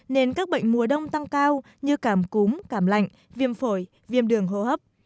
nên các bệnh mùa đông tăng cao như cảm cúm cảm lạnh viêm phổi viêm đường hô hấp